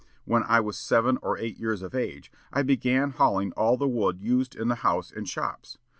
When I was seven or eight years of age, I began hauling all the wood used in the house and shops.